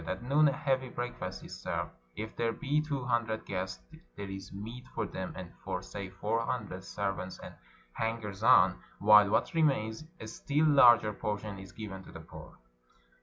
At noon a heavy breakfast is served. If there be two hundred guests, there is meat for them and for, say, four hundred serv ants and hangers on, while what remains, a still larger portion, is given to the poor.